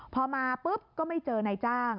พอมาปุ๊บก็ไม่เจอนายจ้าง